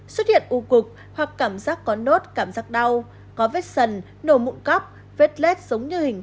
xuất hiện u cục hoặc cảm giác có nốt cảm giác đau có vết sần nổ mụn cóc vết lết giống như hình